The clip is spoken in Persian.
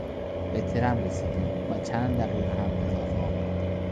به ترن رسیدیم و چند دقیقه هم اضافه آوردیم.